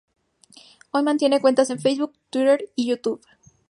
Hoy mantiene cuentas en Facebook, Twitter y YouTube.